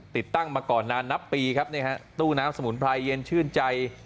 ติดตั้งมาก่อนนานนับปีครับตู้น้ำสมุนไพรเย็นชื่นใจ